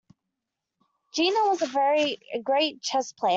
Gina is a great chess player.